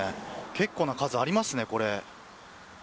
結構な数、ありますね、これ。